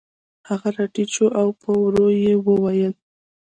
هغه راټیټ شو او په ورو یې وویل